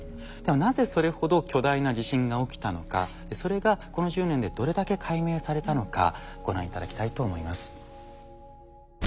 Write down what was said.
ではなぜそれほど巨大な地震が起きたのかそれがこの１０年でどれだけ解明されたのかご覧頂きたいと思います。